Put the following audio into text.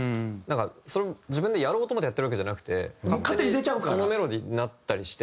それを自分でやろうと思ってやってるわけじゃなくて勝手にそのメロディーになったりして。